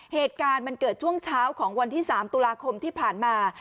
เหตุการณ์มันเกิดช่วงเช้าของวันที่๓ตุลาคมที่ผ่านมา